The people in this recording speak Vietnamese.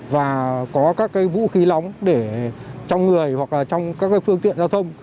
và có các vũ khí lóng để trong người hoặc trong các phương tiện giao thông